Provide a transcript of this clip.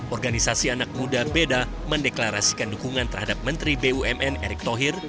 organisasi anak muda beda mendeklarasikan dukungan terhadap menteri bumn erick thohir